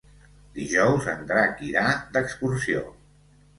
Dijous en Drac irà d'excursió.